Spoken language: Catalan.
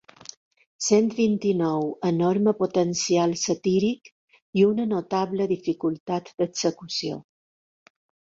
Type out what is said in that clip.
Cent vint-i-nou enorme potencial satíric i una notable dificultat d'execució.